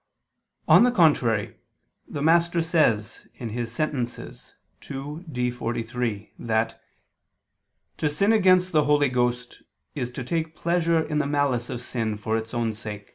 On the contrary, The Master says (Sent. ii, D, 43) that "to sin against the Holy Ghost is to take pleasure in the malice of sin for its own sake."